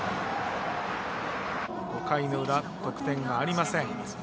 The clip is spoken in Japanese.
５回の裏、得点がありません。